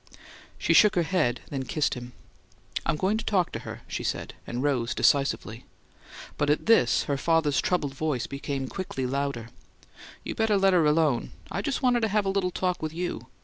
She shook her head, then kissed him. "I'm going to talk to her," she said, and rose decisively. But at this, her father's troubled voice became quickly louder: "You better let her alone. I just wanted to have a little talk with you.